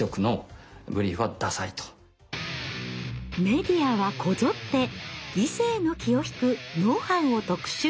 メディアはこぞって異性の気を引くノウハウを特集。